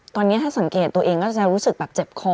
ตอนนี้ถ้าสังเกตตัวเองก็จะรู้สึกแบบเจ็บคอ